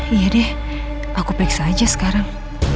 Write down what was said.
iya deh aku periksa aja sekarang